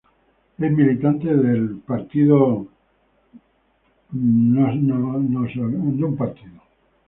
Es militante del Partido Popular.